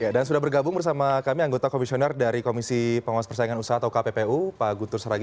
dan sudah bergabung bersama kami anggota komisioner dari komisi pengawas persaingan usaha atau kppu pak guntur seragi